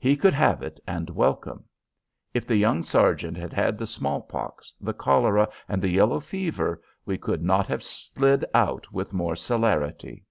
He could have it and welcome. If the young sergeant had had the smallpox, the cholera, and the yellow fever, we could not have slid out with more celerity.